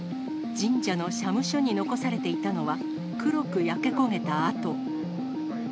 神社の社務所に残されていたのは、黒く焼け焦げた跡。